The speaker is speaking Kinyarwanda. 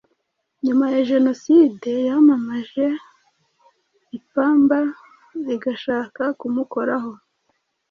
nyuma ya Jenoside yamamaje ipamba rigashaka kumukoraho.